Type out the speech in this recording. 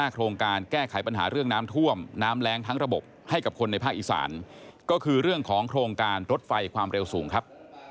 ก็จัดกันแล้วเดี๋ยวก็ยกให้มีสองอย่างใกล้สุด